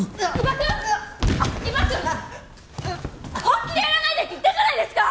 本気でやらないでって言ったじゃないですか！